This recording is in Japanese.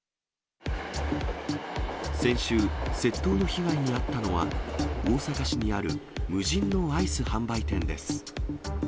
先週、窃盗の被害に遭ったのは、大阪市にある無人のアイス販売店です。